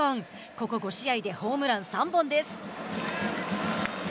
ここ５試合でホームラン３本です。